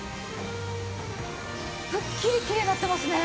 くっきりきれいになってますね。